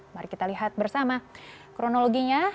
mari kita lihat bersama kronologinya